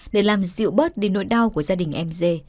để làm dịu bớt đi nỗi đau của gia đình em dê